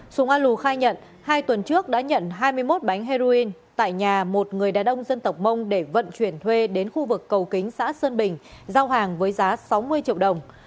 sùng a lù khai nhận hai tuần trước đã nhận hai mươi một bánh heroin tại nhà một người đàn ông dân tộc mông để vận chuyển thuê đến khu vực cầu kính xã sơn bình giao hàng với giá sáu mươi triệu đồng